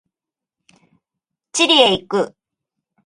チリへ行く。